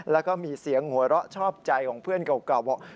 แล้วก็มีเสียงหัวเราะชอบใจของเพื่อนเก่าบอก